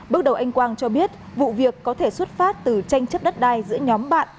bước đầu anh quang cho biết vụ việc có thể xuất phát từ tranh chấp đất đai giữa nhóm bạn